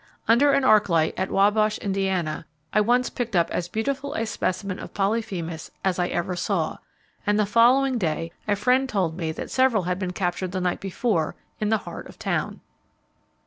Under an arc light at Wabash, Indiana, I once picked up as beautiful a specimen of Polyphemus as I ever saw, and the following day a friend told me that several had been captured the night before in the heart of town.